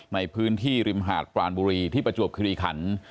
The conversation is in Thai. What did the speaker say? ในพื้นที่ริมหาดปรานบุรีที่ประจวบคิริขัน